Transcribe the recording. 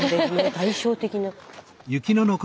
対照的な。